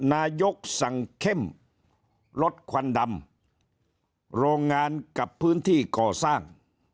นายกสั่งเข้มลดควันดำโรงงานกับพื้นที่ก่อสร้าง